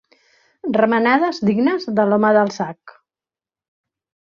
Remenades dignes de l'home del sac.